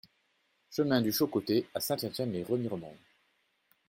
Chemin du Chaud Côté à Saint-Étienne-lès-Remiremont